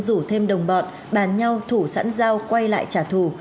rủ thêm đồng bọn bàn nhau thủ sẵn dao quay lại trả thù